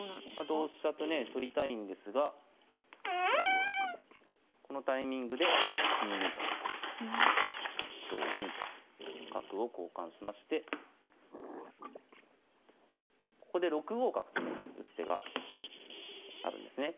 同飛車とね取りたいんですがこのタイミングで２二角成同銀と角を交換しましてここで６五角とね打つ手があるんですね。